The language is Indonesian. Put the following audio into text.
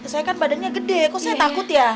saya kan badannya gede aku saya takut ya